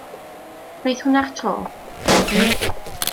Gwneith hwnna'r tro.